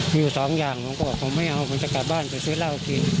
มีอยู่สองอย่างผมก็บอกผมไม่เอาผมจะกลับบ้านไปซื้อเหล้ากิน